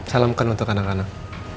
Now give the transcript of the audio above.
salamkan untuk anak anak